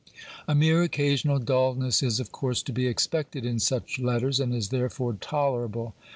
A mere occasional dulness is, of course, to be expected in such letters, and is therefore tolerable.